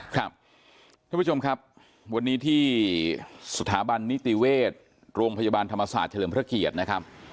ท่านผู้ชมครับวันนี้ที่สถาบันนิติเวชโรงพยาบาลธรรมศาสตร์เฉลิมพระเกียรตินะครับ